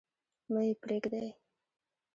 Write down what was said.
مه يې پريږدﺉ.